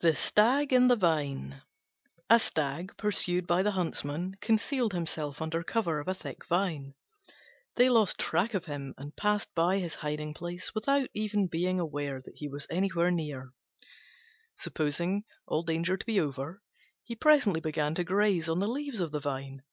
THE STAG AND THE VINE A Stag, pursued by the huntsmen, concealed himself under cover of a thick Vine. They lost track of him and passed by his hiding place without being aware that he was anywhere near. Supposing all danger to be over, he presently began to browse on the leaves of the Vine.